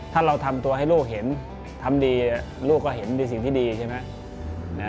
ถ้าเราทำตัวให้ลูกเห็นทำดีลูกก็เห็นในสิ่งที่ดีใช่ไหม